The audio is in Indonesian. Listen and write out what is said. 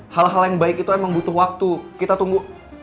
hal hal yang baik itu emang butuh waktu kita tunggu